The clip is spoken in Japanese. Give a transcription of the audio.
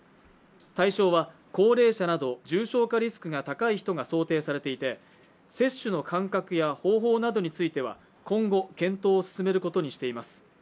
対象は高齢者など重症化リスクが高い人が想定されていて接種の間隔や方法などについては今後、検討を進めることにしています。